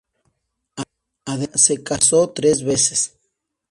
Adelaida se casó tres veces.